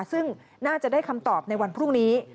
ซึ่งน่าจะได้คำตอบในวันพรุ่งนี้